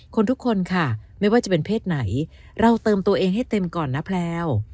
ทุกคนค่ะไม่ว่าจะเป็นเพศไหนเราเติมตัวเองให้เต็มก่อนนะแพลว